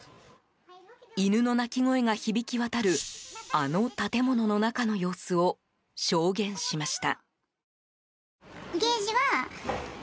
犬の鳴き声が響き渡るあの建物の中の様子を証言しました。